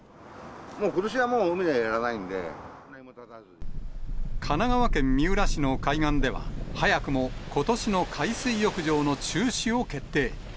ことしはもう、神奈川県三浦市の海岸では、早くも、ことしの海水浴場の中止を決定。